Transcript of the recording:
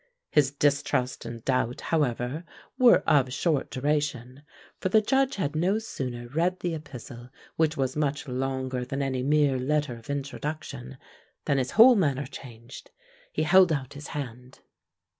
His distrust and doubt, however, were of short duration, for the Judge had no sooner read the epistle, which was much longer than any mere letter of introduction, than his whole manner changed. He held out his hand.